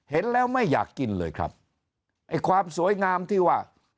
เห็นแล้วไม่อยากกินเลยครับไอ้ความสวยงามที่ว่า